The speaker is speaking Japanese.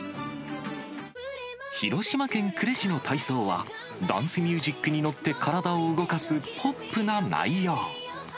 広島県呉市の体操は、ダンスミュージックに乗って、体を動かすポップな内容。